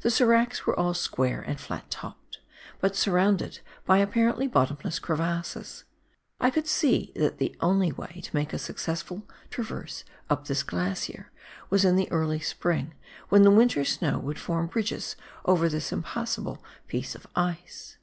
The seracs were all square and fiat topped, but surrounded by apparently bottomless crevasses. I could see that the only way to make a successful traverse up this glacier was in the early spring, when the winter snow would form bridges over this impassable piece of ice.